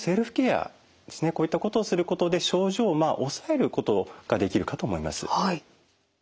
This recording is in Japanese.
こういったことをすることで症状を抑えることができるかと思います。